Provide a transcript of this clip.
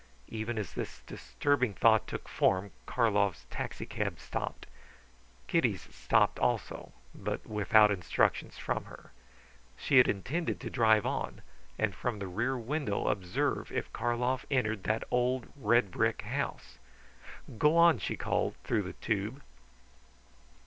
Even as this disturbing thought took form Karlov's taxicab stopped. Kitty's stopped also, but without instructions from her. She had intended to drive on and from the rear window observe if Karlov entered that old red brick house. "Go on!" she called through the tube.